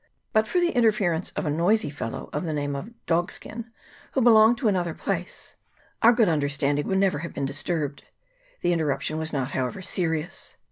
But for the interference of a noisy fellow of the name of " Dogskin," who belonged to another place, our good understanding would never have 32 SHIP COVE. [PART i. been disturbed. The interruption was not, however, serious.